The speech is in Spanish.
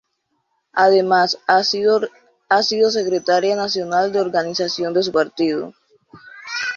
Además ha sido secretaria nacional de organización de su partido.